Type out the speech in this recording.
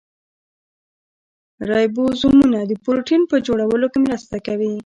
رایبوزومونه د پروټین په جوړولو کې مرسته کوي